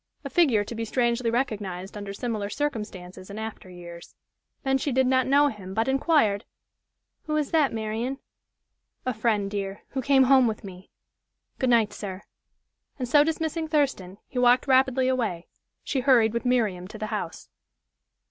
A figure to be strangely recognized under similar circumstances in after years. Then she did not know him, but inquired: "Who is that, Marian?" "A friend, dear, who came home with me. Good night, sir." And so dismissing Thurston, he walked rapidly away. She hurried with Miriam to the house.